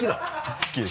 好きです。